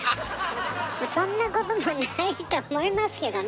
そんなこともないと思いますけどね。